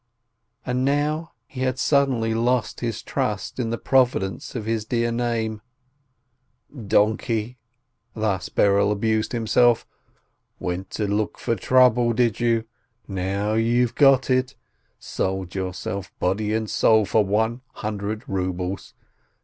And now — he had suddenly lost his trust in the Providence of His dear Name ! "Donkey !" thus Berel abused himself, "went to look for trouble, did you? Now you've got it! Sold yourself body and soul for one hundred rubles